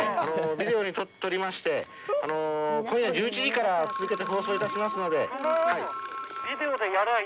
ビデオにとりまして今夜１１時から続けて放送いたしますので。